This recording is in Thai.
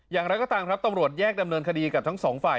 อย่างไรก็ตามครับตำรวจแยกดำเนินคดีกับทั้งสองฝ่าย